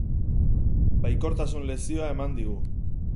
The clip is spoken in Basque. Baikortasun lezioa eman digu.